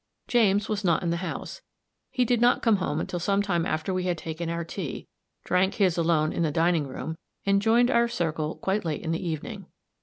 James was not in the house; he did not come home until some time after we had taken our tea drank his alone in the dining room and joined our circle quite late in the evening.